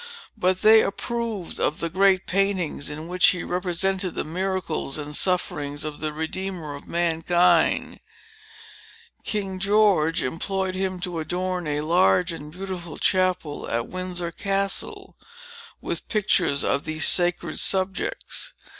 But they approved of the great paintings in which he represented the miracles and sufferings of the Redeemer of Mankind. King George employed him to adorn a large and beautiful chapel, at Windsor Castle, with pictures of these sacred subjects.